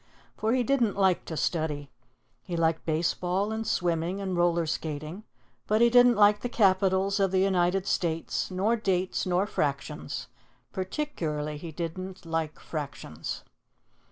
For he didn't like to study. He liked baseball and swimming and roller skating, but he didn't like the capitals of the United States, nor dates, nor fractions. Particularly he didn't like fractions.